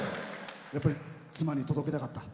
やっぱり妻に届けたかった。